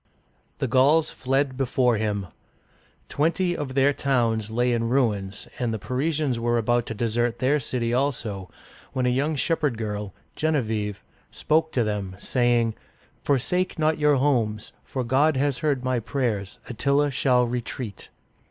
• The Gauls fled before him. Twenty of their towns lay in ruins, and the Parisians were about to desert their city also, when a young shepherd girl, Gen e vieve', spoke to them, saying :" Forsake not your homes, for God has heard my prayers. Attila shall retreat."